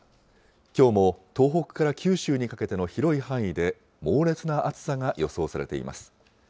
きょうも東北から九州にかけての広い範囲で猛烈な暑さが予想されています。